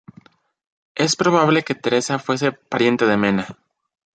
Es probable que Teresa fuese pariente de Mena.